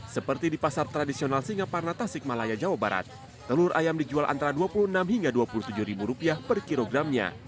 seperti di pasar tradisional singaparna tasik malaya jawa barat telur ayam dijual antara rp dua puluh enam hingga rp dua puluh tujuh per kilogramnya